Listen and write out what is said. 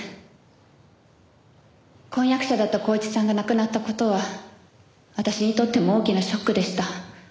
婚約者だった光一さんが亡くなった事は私にとっても大きなショックでした。